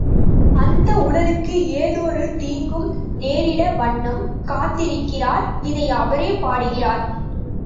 அந்த உடலுக்கு யாதொரு தீங்கும் நேரிடா வண்ணம் காத்திருக்கிறார்.. இதை அவரே பாடுகிறார்.